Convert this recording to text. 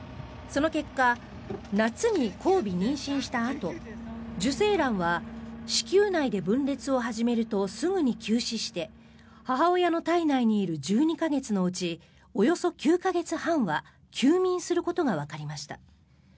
その結果夏に交尾・妊娠したあと受精卵は子宮内で分裂を始めるとすぐに休止して母親の胎内にいる１２か月のうちおよそ９か月半は休眠することがわかりました。